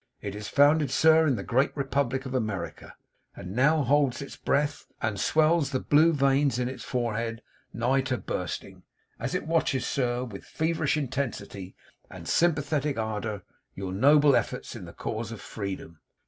It is founded, sir, in the great republic of America! and now holds its breath, and swells the blue veins in its forehead nigh to bursting, as it watches, sir, with feverish intensity and sympathetic ardour, your noble efforts in the cause of Freedom."